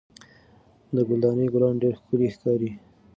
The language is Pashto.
د ګل دانۍ ګلان ډېر ښکلي ښکاري.